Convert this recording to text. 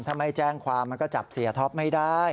ถ้าไม่แจ้งความมันก็จับเสียท็อปไม่ได้